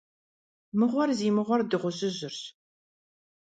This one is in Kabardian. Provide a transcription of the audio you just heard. Мыгъуэр зи мыгъуэр Дыгъужьыжьырщ.